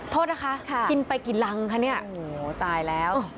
โทษนะคะกินไปกี่รังคะเนี่ยโอ้โหตายแล้ว